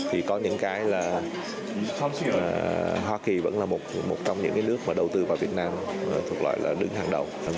hoa kỳ vẫn là một trong những nước đầu tư vào việt nam thuộc loại là đứng hàng đầu